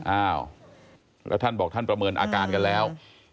อ้าวแล้วท่านบอกท่านประเมินอาการกันแล้ว